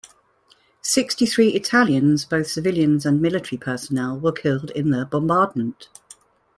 Sixty-three Italians, both civilians and military personnel, were killed in the bombardment.